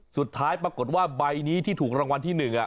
สุดท้ายปรากฏว่าใบนี้ที่ถูกรางวัลที่๑